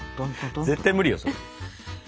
絶対無理よそれ。